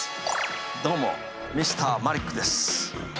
どうもＭｒ．マリックです。